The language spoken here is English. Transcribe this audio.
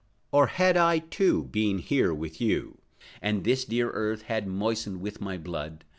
Oh, had I, too, been here with you, And this dear earth had moistened with my blood!